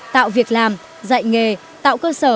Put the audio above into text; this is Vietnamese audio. tạo việc làm dạy nghề tạo cơ sở